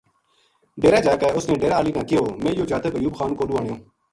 ڈیرے جا کے اس نے ڈیرا ہالی نا کہیو میں یوہ جاتک ایوب خان کولوں آنیو